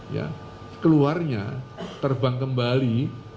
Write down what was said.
ya keluarnya terbang kembali